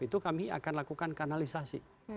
itu kami akan lakukan kanalisasi